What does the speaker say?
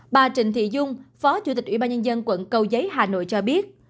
bà trịnh thị dung phó chủ tịch ủy ban nhân dân quận cầu giấy hà nội cho biết